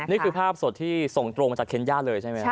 นี่คือภาพสดที่ส่งตรงมาจากเคนย่าเลยใช่ไหมครับ